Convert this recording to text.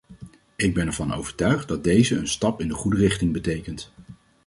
Ik ben ervan overtuigd dat deze een stap in de goede richting betekent.